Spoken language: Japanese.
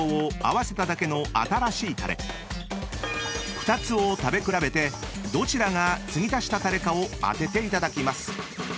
［２つを食べ比べてどちらが注ぎ足したタレかを当てていただきます］